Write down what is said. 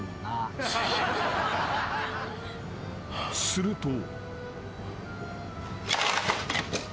［すると］